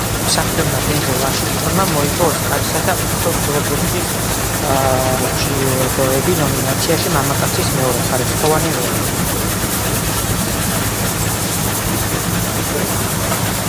მსახიობმა დენზელ ვაშინგტონმა მოიგო ოსკარისა და ოქროს გლობუსის ჯილდოები ნომინაციაში: მამაკაცის მეორეხარისხოვანი როლი.